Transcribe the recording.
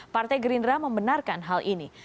partai gerindra membenarkan hal ini